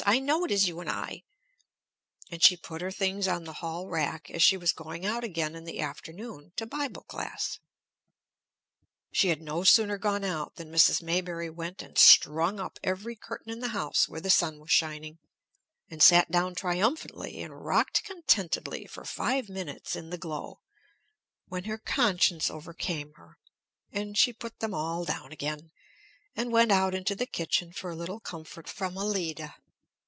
I know it is you and I." And she put her things on the hall rack, as she was going out again in the afternoon to bible class. She had no sooner gone out than Mrs. Maybury went and strung up every curtain in the house where the sun was shining, and sat down triumphantly and rocked contentedly for five minutes in the glow, when her conscience overcame her, and she put them all down again, and went out into the kitchen for a little comfort from Allida.